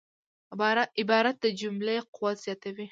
عبارت د جملې قوت زیاتوي.